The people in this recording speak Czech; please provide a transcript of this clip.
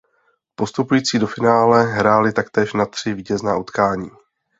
Postupující do finále hráli taktéž na tři vítězná utkání.